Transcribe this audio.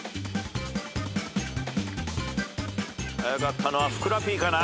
早かったのはふくらＰかな？